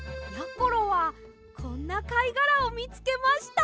ころはこんなかいがらをみつけました。